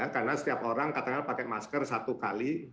karena setiap orang kadang kadang pakai masker satu kali